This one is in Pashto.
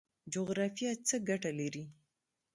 جغرافیه څه ګټه لري؟